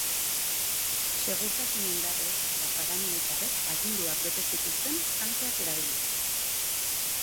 Segurtasun-indarrek eta paramilitarrek aginduak bete zituzten tankeak erabiliz.